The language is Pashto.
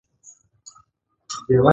کروندګر د خپل ژوند له هرې ورځې خوند اخلي